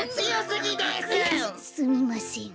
すすみません。